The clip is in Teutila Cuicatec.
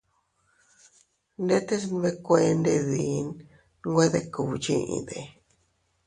¡Ndetes nbekuended dii nwe deb kugbyiʼide!